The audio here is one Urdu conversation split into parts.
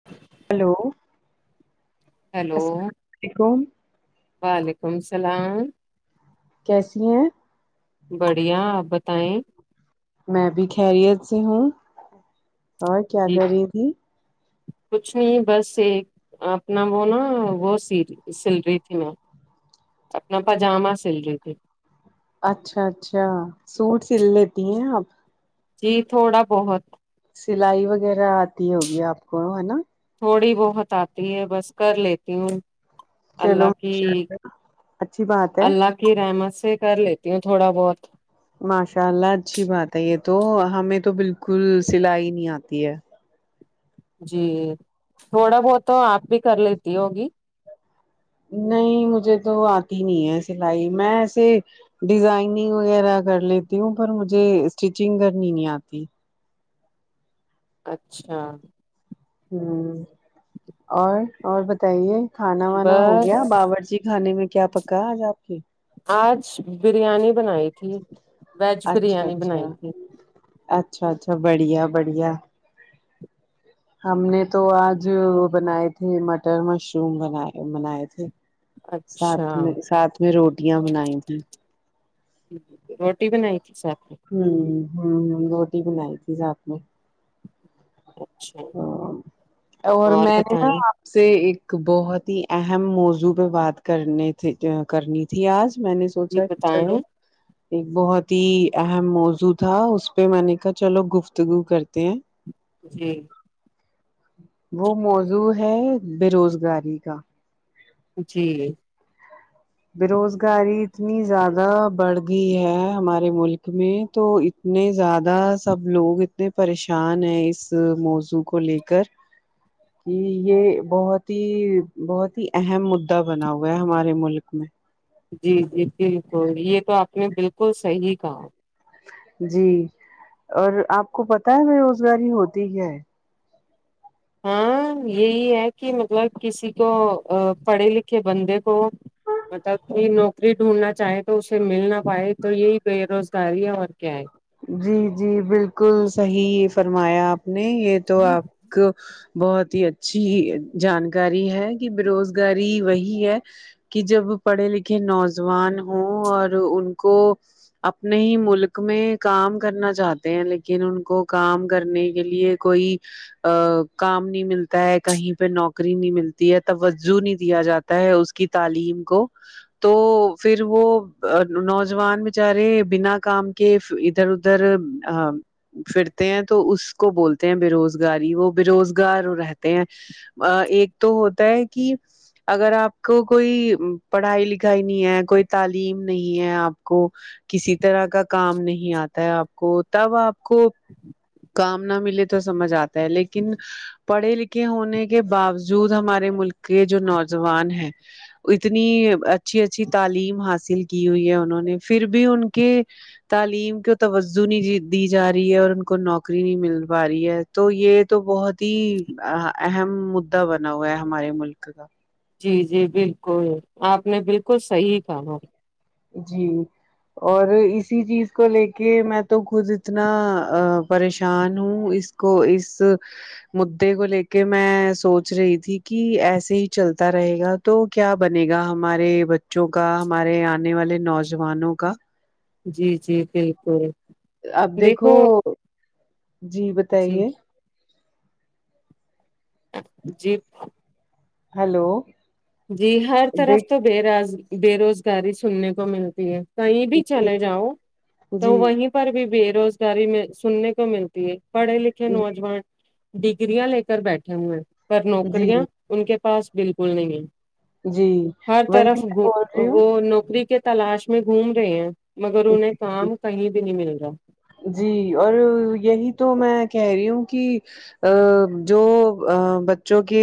ہ [inaudible] ہیلو ہیلو علیکم وعلیکم السلام کیسی ہیں بڑھیا آپ بتائیں میں بھی خیریت سے ہوں اور کیا جی کر رہی تھی کچھ نہیں بس ایک اپنا وہ نا وہ س سل رہی تھی میں اپنا پجامہ سل رہی تھی اچھا اچھا سوٹ سل لیتی ہیں آپ جی تھوڑا بہت سلائی وغیرہ آتی ہوگی آپ کو ہے نہ تھوڑی بہت آتی ہے بس کر لیتی ہوں چلو اللہ کی ماشاء اللہ اچھی بات ہے اللہ کی رحمت سے کر لیتی ہوں تھوڑا بہت ماشاء اللہ اچھی بات ہے یہ تو ہمیں تو بالکل سلائی نہیں آتی ہے جی تھوڑا بہت تو آپ بھی کر لیتی ہوگی نہیں مجھے تو آتی نہیں ہے سلائی میں ایسے ڈیزائننگ وغیرہ کر لیتی ہوں پر مجھے اسٹیچنگ کرنی نہیں آتی اچھا ہوں اور اور بتائیے کھانا وانا ہو گیا بس باور چی خا نے میں کیا پکا آج آپ کے آج بریانی بنائی تھی ویج اچھا بریانی اچھا بنائی تھی اچھا اچھا بڑھیا بڑھیا ہم نے تو آج بنائے تھے مٹر مشروم بائے بنائے تھے ساتھ اچھا میں ساتھ میں روٹیاں بنائی تھیں روٹی بنائی تھی ساتھ میں ہ ہ ہ روٹی بنائی تھی ساتھ میں اچھا اور میں نے نا سے ایک بہت ہی اہم موضوع پہ بات کرنے تھی کرنی تھی آج میں نے یہ سوچا کہ چلو بتائیں ایک بہت ہی اہم موضوع تھا اس پہ میں نے کہا چلو گفتگو کرتے ہیں جی وہ موضوع ہے بے روزگاری کا جی بےروزگاری اتنی زیادہ بڑھ گئی ہے ہمارے ملک میں تو نہیں زیادہ سب لوگ اتنے پریشان ہیں اس موضوع کو لے کر کہ یہ بہت ہی بہت ہی اہم مدا بنا ہوا ہے ہمارے ملک میں جی جی بالکل یہ تو آپ نے بالکل صحیح کہا جی اور آپ کو پتہ ہے بے روزگاری ہوتی کیا ہے ہاں یہی ہے کہ مطلب کسی کو پڑھے لکھے بندے کو مطلب کہ نوکری ڈھونڈنا چاہے تو اسے مل نہ پائے تو یہی بے روزگاری ہے اور کیا ہے جی جی بالکل صحیح فرمایا آپ نے یہ تو آپ بہت ہی اچھی جانکاری ہے کہ بے روزگاری وہی ہے کہ جب پڑھے لکھے نوز وان ہوں اور ان کو اپنے ہی ملک میں کام کرنا چاہتے ہیں لیکن ان کو کام کرنے کے لیے کوئی ا کام نہیں ملتا ہے کہیں پہ نوکری نہیں ملتی ہے توجہ نہیں دیا جا تا ہے اس کی تعلیم کو تو فر وہ نوجوان بچارے بنا کام کے ادھر ادھر ا فرتے ہیں تو اس کو بولتے ہیں بے روزگاری وہ بے روزگار رہتے ہیں ا ایک تو ہوتا ہے کہ اگر آپ کو کوئی پڑھائی لکھائی نہیں ہے کوئی تعلیم نہیں ہے آپ کو کسی طرح کا کام نہیں آتا ہے آپ کو تب آپ کو کام نہ ملے تو سمجھ آتا ہے لیکن پڑھے لکھے ہونے کے باوجود ہمارے ملک کے جو نوجوان ہیں اتنی اچھی اچھی تعلیم حاصل کی ہوئی ہے انہوں نے فر بھی ان کے تعلیم کے توازو نہیں دی جا رہی ہے اور ان کو نوکری نہیں مل پا رہی ہے تو یہ تو بہت ہی اہم مددا بنا ہوا ہے ہمارے ملک کا جی جی بالکل آپ نے بالکل صحیح کہا جی اور اسی چیز کو لے کے میں تو خود اتنا پریشان ہوں اس کو اس مدے کو لے کے میں سوچ رہی تھی کہ ایسے ہی چلتا رہے گا تو کیا بنے گا ہمارے بچوں کا ہمارے آنے والے نوجوانوں کا جی جی بالکل دیکھو جی جی بتائیے جی ہیلو جی ہر طرف تو بے رز بے روزگاری سننے کو ملتی ہے کہیں بھی چلے جی جاؤ تو جی وہیں پر بھی بے روزگاری میں سننے کو مل پڑھے لکھے نوجوان ڈگریاں لے کر بیٹھے ہوئے ہیں پر جی نوکریاں ان کے پاس بالکل نہیں ہے جی ہر وہی طرف میں بول رہی وہ نوکری کے تلاش میں گھوم رہے ہیں مگر انہیں ہوں کام کہیں بھی نہیں مل رہا جی اور یہی تو میں کہہ رہی ہوں کہ ا جو بچوں کے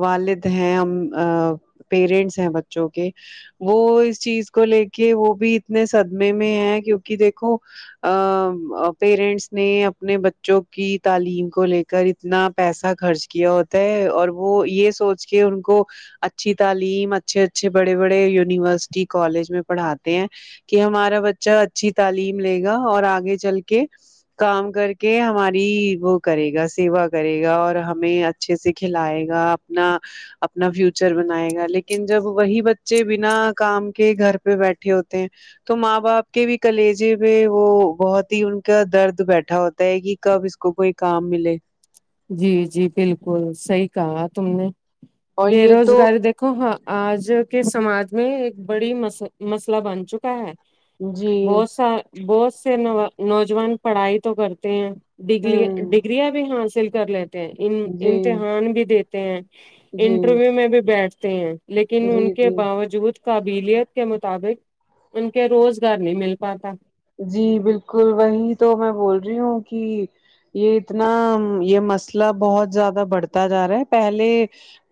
والد ہیں ہم پیرنٹس ہیں بچوں کے وہ اس چیز کو لے کے وہ بھی اتنے صدمہ میں ہے کیونکہ دیکھو ا ا پیرنٹس نے اپنے بچوں کی تعلیم کو لے کر اتنا پیسہ خرچ کیا طۓ ہے اور وہ یہ سوچ کے ان کو اچھی تعلیم اچھے اچھے بڑے بڑے یونیورسٹی کالج میں پڑھاتے ہیں کہ ہمارا بچہ اچھی تعلیم لے گا اور آگے چل کے کام کر کے ہماری وہ کرے گا سیوا کرے گا اور ہمیں اچھے سے کھلائے گا اپنا اپنا فیوچر بنائے گا لیکن جب وہی بچے بنا کام کے گھر پہ بیٹھے ہوتے ہیں تو ماں باپ کے بھی کلیجے وہ بہت ہی ان کا درد بیٹھا ہوتا ہے کہ کب اس کو کوئی کام ملے جی جی بالکل صحیح کہا تم نے اور بے یہ تو روزگاری دیک ہاں آج کے سماج میں ایک بڑی مس مسئلہ بن چکا ہے جی بہت سا بہت سے نوا نوجوان پڑھائی تو کرتے ہیں ڈگلیا ہوں ڈگریاں بھی حاصل کر لیتے ہیں ان جی امتحان بھی دیتے ہیں جی انٹرویو میں بھی بیٹھتے ہیں لیکن ان جی کے جی باوجود قابیلیت کے مطابق ان کے روزگار نہیں مل پاتا جی بالکل وہی تو میں بول رہی ہوں کہ یہ اتنا یہ مسئلہ بہت زیادہ بڑھتا جا رہا ہے پہلے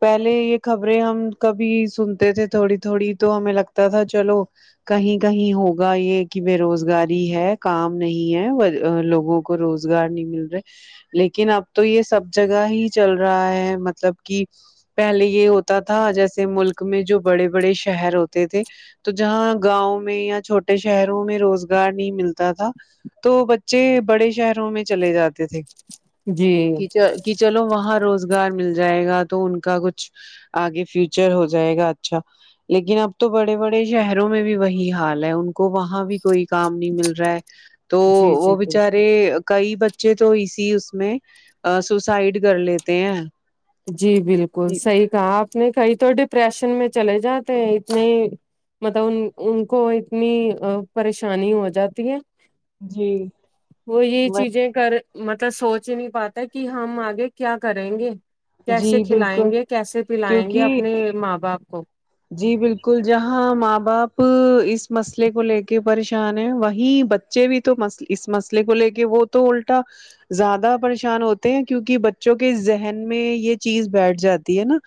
پہلے یہ خبریں ہم کبھی سنتے تھے تھوڑی تھوڑی تو ہمیں لگتا تھا چلو کہیں کہیں ہوگا یہ کہ بے روز گاری ہے کام نہیں ہے لوگوں کو روزگار نہیں مل رہے لیکن اب تو یہ سب جگہ ہی چل رہا ہے مطلب کہ پہلے یہ ہوتا تھا جیسے ملک میں جو بڑے بڑے شہر ہوتے تھے تو جہاں گاؤں میں یا چھوٹے شہروں میں روز گار نہیں ملتا تھا تو بچے بڑے شہروں میں چلے جاتے تھے جی کہ چ کی چلو وہاں روزگار مل جائے گا تو ان کا کچھ آگے فیوچر ہو جائے گا اچھا لیکن اب تو بڑے بڑے شہروں میں بھی وہی حال ہے ان کو وہاں بھی کوئی کام نہیں مل رہا ہے تو جی جی وہ بالکل بچارے کئی بچ چے تو اسی اس میں سوسائڈ کر لیتے ہیں جی بالکل صحیح کہا آپ نے کئی تو ڈپریشن میں چلے جاتے ہے اتنی مطلب ان ان کو اتنی پریشانی ہو جاتی ہے جی وہ یہ چیزیں کر مطلب سوچ ہی نہیں پاتا کہ ہم آگے کیا کریں گے کیسے جی بالکل کھلائیں گے کیسے پلائیں گے کیونکہ اپنے ماں باپ کو جی بالکل جہاں ماں باپ اس مسئلے کو لے کے پریشان ہے وہی بچے بھی تو مس اس مسئلے کو لے کے وہ تو الٹا زیادہ پریشان ہوتے ہیں کیونکہ بچوں کے ذہن میں یہ چیز بیٹھ جاتی ہے نا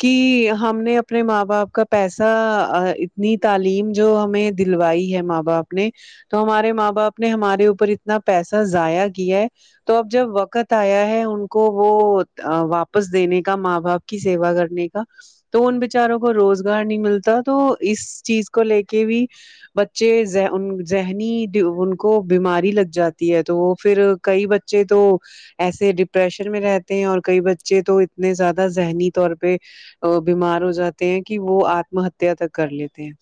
کہ ہم نے اپنے ماں باپ کا پیسہ اتنی تعلیم جو ہمیں دلوائی ہے ماں باپ نے تو ہمارے ماں باپ نے ہمارے اوپر اتنا پیسہ ضائع کیا ہے تو اب جب وقت آیا ہے ان کو وہ واپس دینے کا ماں باپ کی سیوا کرنے کا تو ان بچاروں کو روز گار نہیں ملتا تو اس چیز کو لے کے بھی بچے ذہنی ان کو بیماری لگ جاتی ہے تو وہ پھر کئی بچے تو ایسے ڈپریشن میں رہتے ہیں اور کئی بچے تو اتنے زیادہ ذہنی طور پہ ا بیمار ہو جاتے ہیں کہ وہ آتمہ ہتیا تک کر لیتے ہیں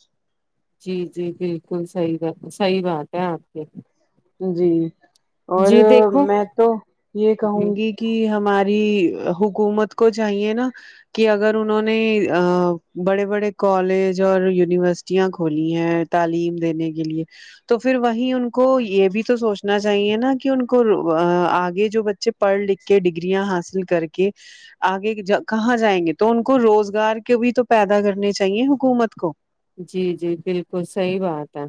جی جی بالکل صحیح صحیح بات ہے آپ کے جی اور دیکھو میں تو یہ جی کہوں گی کی ہماری حکومت کو چاہیے نا کہ اگر انہوں نے بڑے بڑے کالج اور یونیورسٹیاں کھولی ہیں تعلیم دینے کے لیے تو پھر وہیں ان کو یہ بھی تو سوچنا چاہیے نا کہ ان کو آگے جو بچے پڑھ لکھ کے ڈگریاں حاصل کر کے آگے ج کہاں جائیں گے تو ان کو روزگار کو بھی تو پیدا کرنے چاہیے حکومت کو جی جی بالکل صحیح بات ہے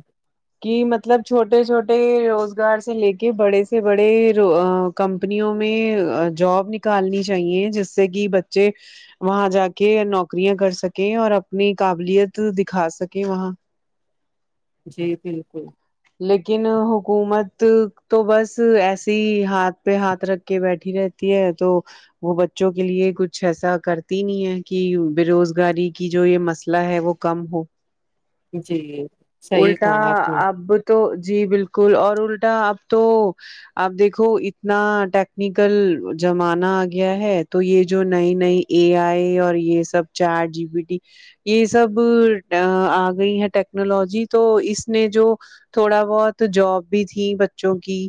کی مطلب چھوٹے چھوٹے روزگار سے لے کے بڑے سے بڑے کمپنیوں میں جاب نکالنی چاہیے جس سے کہ بچے وہاں جا کے نوکریاں کر سکیں اور اپنی قابلیت دکھا سکیں وہاں جی بالکل لیکن حکومت تو بس ایسے ہی ہاتھ پہ ہاتھ رکھ کے بیٹھی رہتی ہے تو وہ بچوں کے لیے کچھ ایسا کرتی نہیں ہے کہ بے روزگاری کی جو یہ مسئلہ ہے وہ کم ہو جی صحیح الٹا کہا آپ نے اب تو جی بالکل اور الٹا اب تو اب دیکھو اتنا ٹیکنیکل زمانہ ا گیا ہے تو یہ جو نئی نئی اے ائی اور یہ سب چیٹ جی پی ٹی یہ سب ا گئی ہے ٹیکنالوجی تو اس نے جو تھوڑا بہت جاب بھی تھی بچوں کی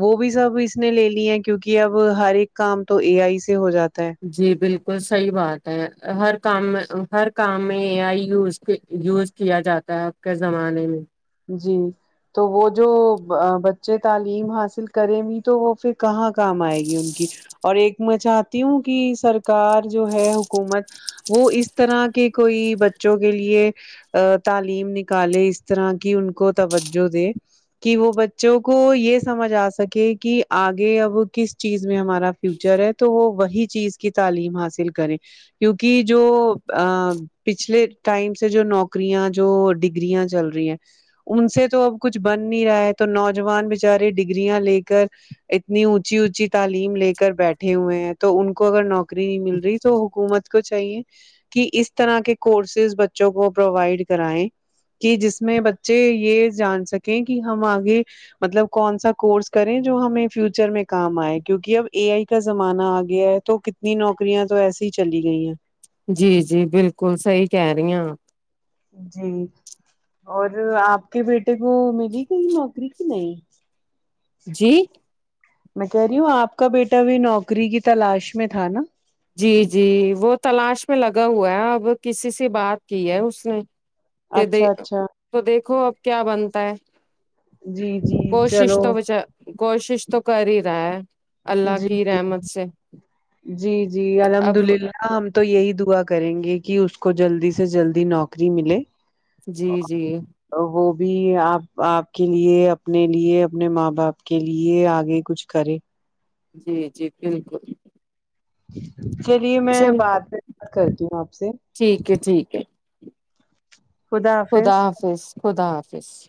وہ بھی سب اس نے لے لی ہیں کیونکہ اب ہر ایک کام تو اے ائی سے ہو جاتا ہے جی بالکل صحیح بات ہے ہر کام میں ہر کام میں اے ائی یوز کے یوز کیا جاتا ہے اب کے زمانے میں جی تو وہ جو بچے تعلیم حاصل کریں گی تو وہ پھر کہاں کام ائے گی ان کی اور ایک میں چاہتی ہوں کہ سرکار جو ہے حکومت وہ اس طرح کے کوئی بچوں کے لیے تعلیم نکالے اس طرح کے کہ ان کو توجہ دے کہ وہ بچوں کو یہ سمجھ ا سکے کہ اگے اب کس چیز میں ہمارا فیوچر ہے تو وہ وہی چیز کی تعلیم حاصل کریں کیونکہ جو پچھلے ٹائم سے جو نوکریاں جو ڈگریاں چل رہی ہیں ان سے تو اب کچھ بن نہیں رہا ہے تو نوجوان بچارے ڈگرریاں لے کر اتنی اونچی اونچی تعلیم لے کر بیٹھے ہوئے ہیں تو ان کو اگر نوک ری مل رہی تو حکومت کو چاہیے کہ اس طرح کے کورسز بچوں کو پرووائڈ کرائیں کہ جس میں بچے یہ جان سکیں کہ ہم اگے مطلب کون سا کورس کریں جو ہمیں فیوچر میں کام ائے کیونکہ اب اے ائی کا زمانہ ا گیا ہے تو کتنی نوکریاں تو ایسسی ہی چلی گئی ہیں جی جی بالکل صحیح کہہ رہی اپ جی اور اپ کے بیٹے کو ملی کہیں نوکری کے نہیں جی میں کہہ رہی ہوں اپ کا بیٹا بھی نوکری کی تلاش میں تھا نا جی جی وہ تلاش میں لگا ہوا ہے اب کسی سے بات کی ہے اس نے پ د اچھا اچھا تو دیکھو اب کیا بنتا ہے جی جی کوشش چلو تو بچار کوشش تو کر ہی رہا ہے اللہ جی کی جی رحمت سے جی جی الحمد اب اللہ ہم تو یہی دعا کریں گے کہ اس کو جلدی سے جلدی نوکری ملے جی جی وہ بھی اپ اپ کے لیے اپنے لیے اپنے ماں باپ کے لیے آاگے کچھ کرے جی جی بالکل چلیے میں چل بعد میں بات کرتی ہوں اپ سے ٹھیک ہے ٹھیک ہے خدا حافظ خدا حافظ